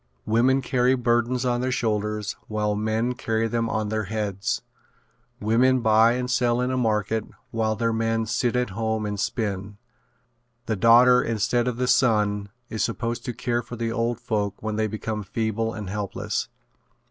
Women carry burdens on their shoulders while men carry them on their heads. Women buy and sell in the market while their men sit at home and spin. The daughter instead of the son is supposed to care for the old folks when they become feeble and helpless.